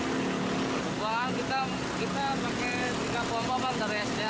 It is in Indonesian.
kepala kita pakai tiga pompa dari sds dua tiga satu